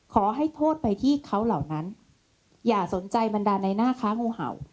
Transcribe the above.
ขอโทษไปที่เขาเหล่านั้นอย่าสนใจบรรดาในหน้าค้างูเห่า